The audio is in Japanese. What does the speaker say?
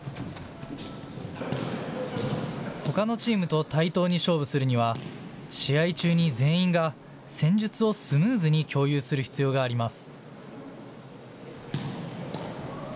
ほかのチームと対等に勝負するには試合中に全員が戦術をスムーズに共有する必要があります。